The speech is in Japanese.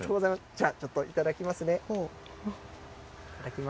じゃあ、ちょっと頂きますね。